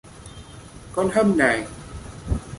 Con hâm này